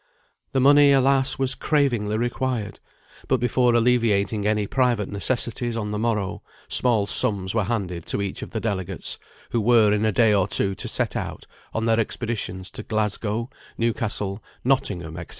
The money, alas, was cravingly required; but before alleviating any private necessities on the morrow, small sums were handed to each of the delegates, who were in a day or two to set out on their expeditions to Glasgow, Newcastle, Nottingham, &c.